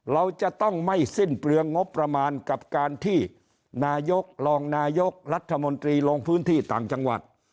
เราจะต้องไม่สิ้นเปลืองงบประมาณกับการที่นายกรองนายกรัฐมนตรีลงพื้นที่ต่างจังหวัด